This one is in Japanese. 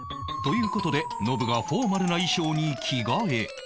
という事でノブがフォーマルな衣装に着替え